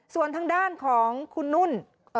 ส่วนทางด้านของคุณนุ่น